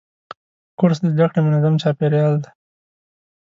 کورس د زده کړې منظم چاپېریال دی.